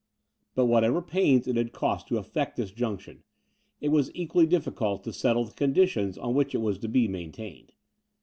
But whatever pains it had cost to effect this junction, it was equally difficult to settle the conditions on which it was to be maintained.